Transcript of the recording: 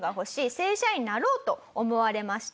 正社員になろう」と思われました。